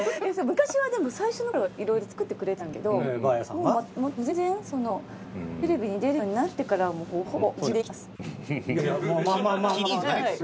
昔はでも最初のころはいろいろ作ってくれてたんですけど全然テレビに出るようになってからはほぼほぼ。